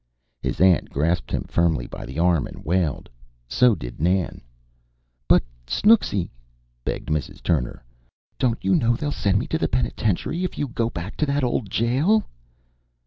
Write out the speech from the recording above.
His aunt grasped him firmly by the arm and wailed. So did Nan. "But, Snooksy," begged Mrs. Turner, "don't you know they'll send me to the penitentiary if you go back to that old jail?"